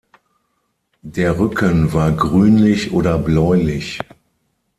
Der Rücken war grünlich oder bläulich.